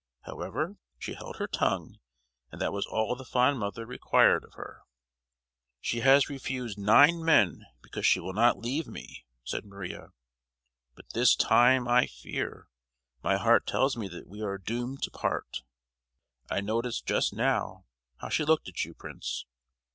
However, she held her tongue, and that was all the fond mother required of her. "She has refused nine men because she will not leave me!" said Maria. "But this time, I fear—my heart tells me that we are doomed to part! I noticed just now how she looked at you, Prince.